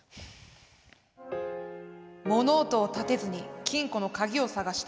「物音を立てずに金庫の鍵を探した。